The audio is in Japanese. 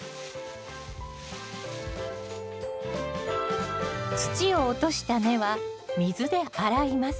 土を落とした根は水で洗います。